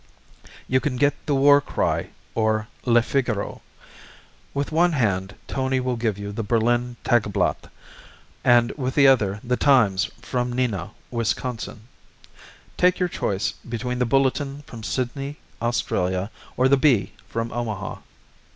You can get the War Cry, or Le Figaro. With one hand, Tony will give you the Berlin Tageblatt, and with the other the Times from Neenah, Wisconsin. Take your choice between the Bulletin from Sydney, Australia, or the Bee from Omaha.